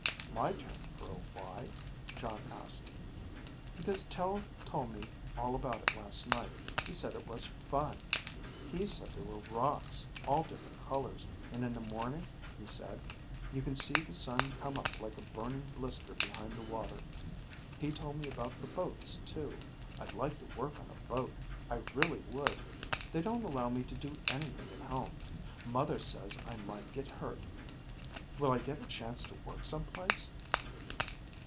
"My turn for a 'why'?" Jon asked. "Because Tel told me all about it last night. He said it was fun. He said there were rocks all different colors. And in the morning, he said, you can see the sun come up like a burning blister behind the water. He told me about the boats, too. I'd like to work on a boat. I really would. They don't allow me to do anything at home. Mother says I might get hurt. Will I get a chance to work someplace?"